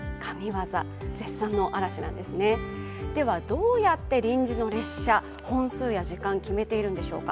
どうやって臨時の列車、本数や時間を決めているんでしょうか。